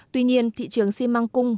tuy nhiên thị trường xi măng cung